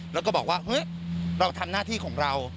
แล้วก็บอกว่าเฮ้ยเราทำหน้าที่ของเรา